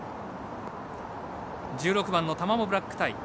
１６番タマモブラックタイ。